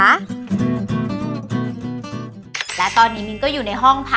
และตอนนี้มินก็อยู่ในห้องพัก